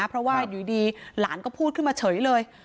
เพราะว่าอยู่ดีหลานก็พูดขึ้นมาเฉยเลย